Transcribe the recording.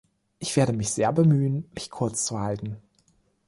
Ich werde mich sehr bemühen, mich kurz zu halten.